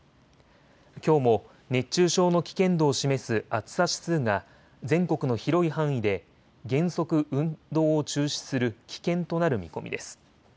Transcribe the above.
きょうも熱中症の危険度を示す暑さ指数が全国の広い範囲で原則、運動を中止する危険となる見込みです。